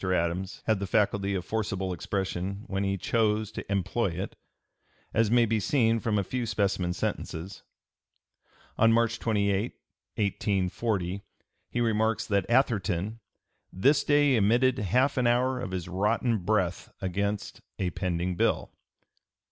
Adams had the faculty of forcible expression when he chose to employ it, as may be seen from a few specimen sentences. On March 28, 1840, he remarks that Atherton "this day emitted half an hour of his rotten breath against" a pending bill.